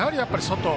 外。